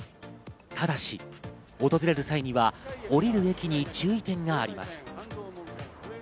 ただし、訪れる際には降りる駅に注意点があります。